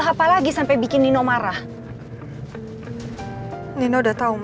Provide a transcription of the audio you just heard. apa yang kamu pbolehin ternyata di atmosfer